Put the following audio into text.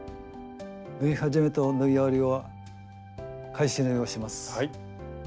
縫い始めと縫い終わりは返し縫いをします。